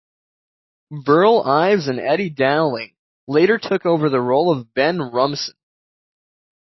Burl Ives and Eddie Dowling later took over the role of Ben Rumson.